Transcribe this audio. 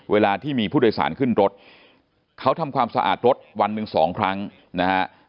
เวลาที่มีผู้โดยสารขึ้นรถเขาทำความสะอาดรถวันหนึ่งสองครั้งนะฮะ